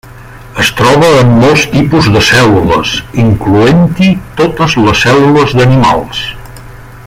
Es troba en molts tipus de cèl·lules, incloent-hi totes les cèl·lules d'animals.